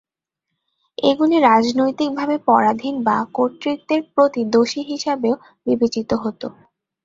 এগুলি রাজনৈতিকভাবে পরাধীন বা কর্তৃত্বের প্রতি দোষী হিসাবেও বিবেচিত হত।